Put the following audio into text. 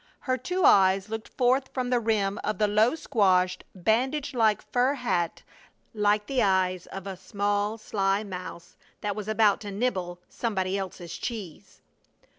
Her two eyes looked forth from the rim of the low squashed, bandage like fur hat like the eyes of a small, sly mouse that was about to nibble somebody else's cheese.